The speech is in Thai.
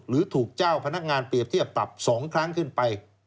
หรือถูกเจ้าพนักงานเปรียบเทียบปรับ๒ครั้งขึ้นไป